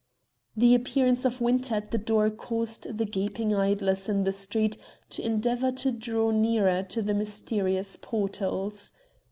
The appearance of Winter at the door caused the gaping idlers in the street to endeavour to draw nearer to the mysterious portals.